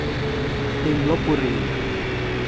ลิงลพบุรี